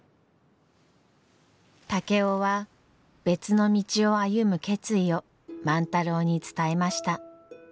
竹雄は別の道を歩む決意を万太郎に伝えました。